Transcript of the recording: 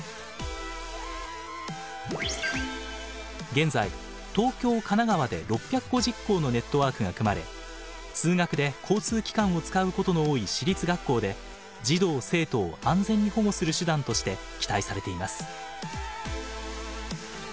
現在東京神奈川で６５０校のネットワークが組まれ通学で交通機関を使うことの多い私立学校で児童生徒を安全に保護する手段として期待されています。